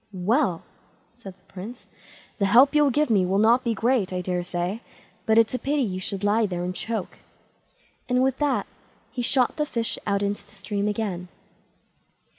"Well!" said the Prince, "the help you'll give me will not be great, I daresay, but it's a pity you should lie there and choke"; and with that he shot the fish out into the stream again.